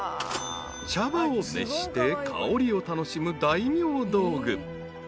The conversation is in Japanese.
［茶葉を熱して香りを楽しむ大名道具］